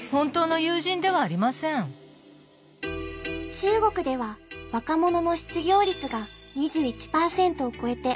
中国では若者の失業率が２１％を超えて過去最悪を更新。